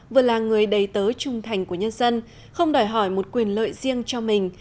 vừa là người đầy tớ trung thành của nhân dân không đòi hỏi một quyền lợi riêng cho mình